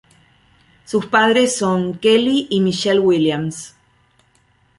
Sus padres son Kelly y Michelle Williams.